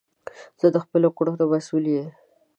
زه د خپلو کړونو مسول یی